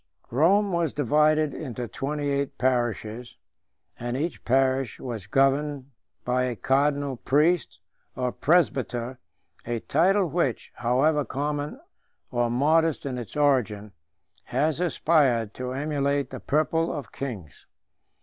Rome was divided into twenty eight parishes, and each parish was governed by a cardinal priest, or presbyter, a title which, however common or modest in its origin, has aspired to emulate the purple of kings.